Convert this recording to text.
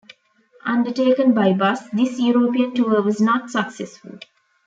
Undertaken by bus, this European tour was not successful.